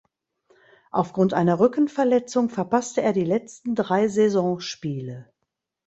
Aufgrund einer Rückenverletzung verpasste er die letzten drei Saisonspiele.